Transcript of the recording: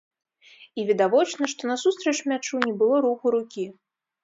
І відавочна, што насустрач мячу не было руху рукі.